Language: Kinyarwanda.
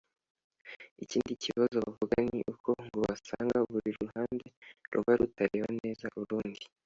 Ikindi kibazo bavuga ni uko ngo basanga buri ruhande ruba rutareba neza urundi